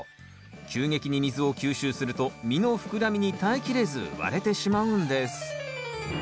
急激に水を吸収すると実の膨らみに耐えきれず割れてしまうんです。